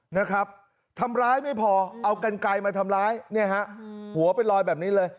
นะครับทำร้ายไม่พอเอากันไกลมาทำร้ายเนี่ยฮะหัวเป็นรอยแบบนี้เลย